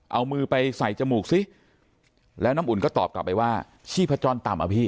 เอามือไปใส่จมูกซิแล้วน้ำอุ่นก็ตอบกลับไปว่าชีพจรต่ำอ่ะพี่